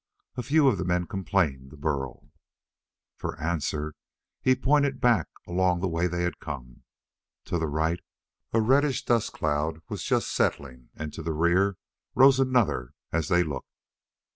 A few of the men complained to Burl. For answer, he pointed back along the way they had come. To the right a reddish dust cloud was just settling, and to the rear rose another as they looked.